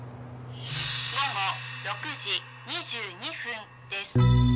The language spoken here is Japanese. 「午後６時２２分です」